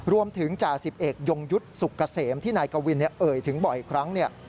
รวมถึงจาสิบเอกยงยุทธ์สุกเกษมที่นายกะวินเอ่ยถึงบอกอีกครั้ง